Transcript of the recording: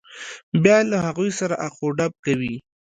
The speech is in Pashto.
بیا له هغوی سره اخ و ډب کوي.